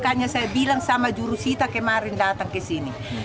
makanya saya bilang sama jurusita kemarin datang ke sini